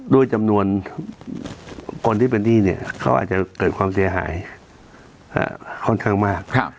ด้วยจำนวนคนที่เป็นหนี้เนี่ยเขาอาจจะเกิดความเสียหายค่อนข้างมาก